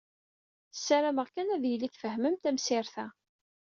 Ssarameɣ kan ad yili tfehmem tamsirt-a.